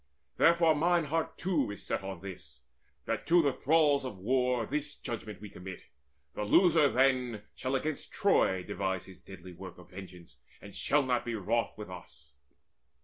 Therefore mine heart too Is set on this, that to the thralls of war This judgment we commit: the loser then Shall against Troy devise his deadly work Of vengeance, and shall not be wroth with us."